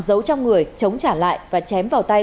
giấu trong người chống trả lại và chém vào tay